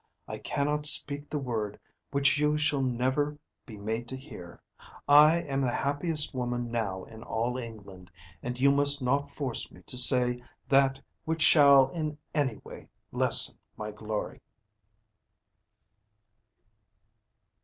I cannot speak the word which you shall never be made to hear. I am the happiest woman now in all England, and you must not force me to say that which shall in any way lessen my glory."